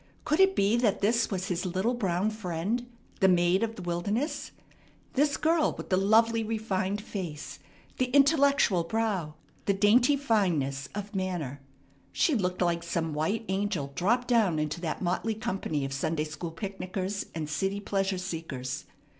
Could it be that this was his little brown friend, the maid of the wilderness? This girl with the lovely, refined face, the intellectual brow, the dainty fineness of manner? She looked like some white angel dropped down into that motley company of Sunday school picknickers and city pleasure seekers.